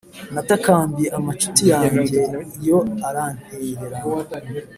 Natakambiye amacuti yanjye, yo arantererana;